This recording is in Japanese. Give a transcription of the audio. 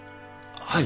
はい。